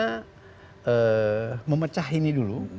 karena memecah ini dulu